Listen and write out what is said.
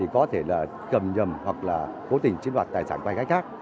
có thể là cầm nhầm hoặc là cố tình chiến đoạt tài sản của hành khách khác